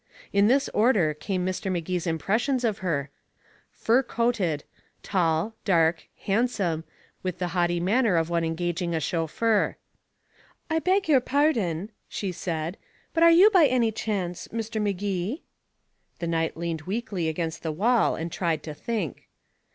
In this order came Mr. Magee's impressions of her, fur coated, tall, dark, handsome, with the haughty manner of one engaging a chauffeur. "I beg your pardon," she said, "but are you by any chance Mr. Magee?" The knight leaned weakly against the wall and tried to think.